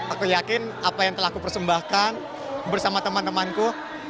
aku yakin apa yang telah aku persembahkan bersama teman temanku